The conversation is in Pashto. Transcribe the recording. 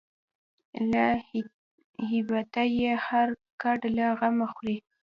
له هیبته یې هر هډ له غمه خوري